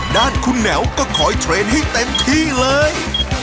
ด้านคุณแหววก็ขอให้เทรนด์ให้เต็มที่เลย